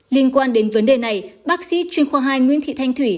liên quan đến vấn đề này bác sĩ chuyên khoa hai nguyễn thị thanh thủy